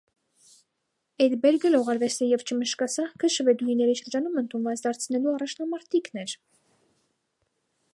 Էդբերգը լողարվեստը և չմշկասահքը շվեդուհիների շրջանում ընդունված դարձնելու առաջնամարտիկն էր։